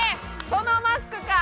そのマスクか。